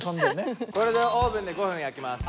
これでオーブンで５分焼きます。